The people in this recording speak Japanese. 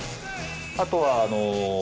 あとは。